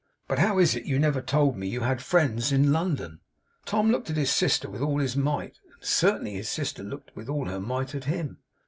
But how is it you never told me you had friends in London?' Tom looked at his sister with all his might; and certainly his sister looked with all her might at him.